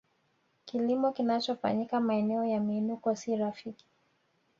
Kilimo kinachofanyika maeneo ya miinuko si rafiki